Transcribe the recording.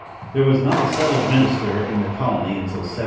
There was not a settled minister in the colony until 1703.